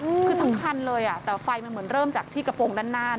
คือทั้งคันเลยอ่ะแต่ไฟมันเหมือนเริ่มจากที่กระโปรงด้านหน้า